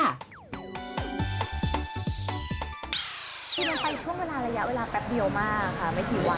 คือมันไปช่วงเวลาระยะเวลาแป๊บเดียวมากค่ะไม่กี่วัน